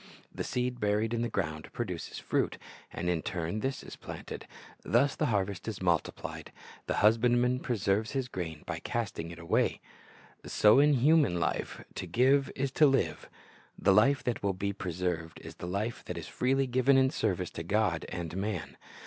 The seed buried in the ground produces fruit, and in turn this is planted. Thus the harvest is multiplied. The husbandman pre serves his grain by casting it away. So in human life, to 1 Luke 6:38 2John 12:24 Other Lessons from Seed Sowing 87 giv^e is to live. The life that will be preserved is the life that is freely given in service to God and man.